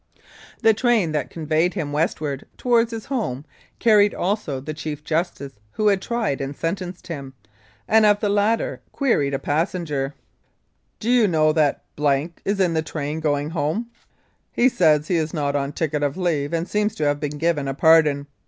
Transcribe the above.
The train that conveyed him westward towards his home carried also the Chief Justice who had tried and sentenced him, and of the latter queried a passenger :" Do you know that is in this train going home ? He says he is not on ticket of leave, and seems to have been given a pardon.